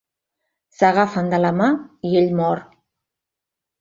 S'agafen de la mà i ell mor.